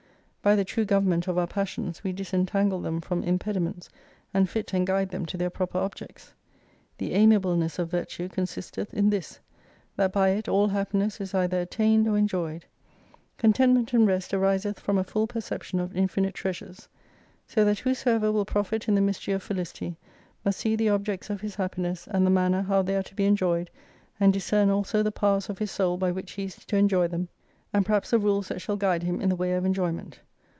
By the true government of our passions, we disentangle them from impediments, and fit and guide them to their proper objects. The amiableness of virtue con sisteth in this, that by it all happiness is either attained or enjoyed. Contentment and rest ariseth from a full perception of infinite treasures. So that whosoever will profit in the mystery of Felicity, must see the objects of his happiness, and the manner how they are to be enjoyed, and discern also the powers of his soul by which he is to enjoy them, and perhaps the rules »54 that shall guide him in the way of enjoyment.